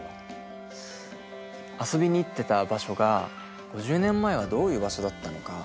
遊びに行ってた場所が５０年前はどういう場所だったのか